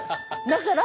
だから